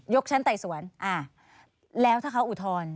ชั้นไต่สวนแล้วถ้าเขาอุทธรณ์